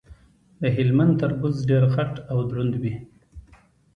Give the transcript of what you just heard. د هلمند تربوز ډیر غټ او دروند وي.